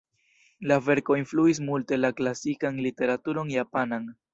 La verko influis multe la klasikan literaturon japanan.